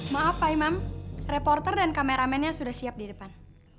maaf pak imam reporter dan kameramennya sudah siap di depan